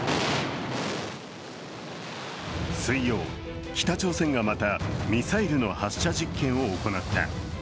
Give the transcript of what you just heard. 水曜、北朝鮮がまたミサイルの発射実験を行った。